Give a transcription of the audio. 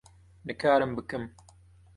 Nikarim bikim.